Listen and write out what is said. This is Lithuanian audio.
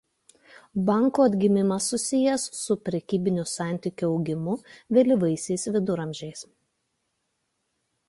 Bankų atgimimas susijęs su prekybinių santykių augimu vėlyvaisiais Viduramžiais.